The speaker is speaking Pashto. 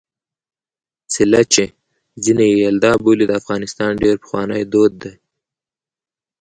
څِله چې ځيني يې یلدا بولي د افغانستان ډېر پخوانی دود دی.